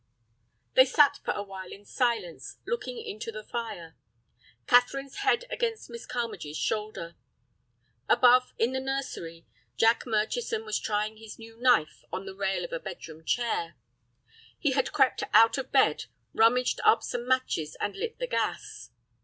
They sat for a while in silence, looking into the fire, Catherine's head against Miss Carmagee's shoulder. Above, in the nursery, Jack Murchison was trying his new knife on the rail of a bedroom chair. He had crept out of bed, rummaged up some matches, and lit the gas.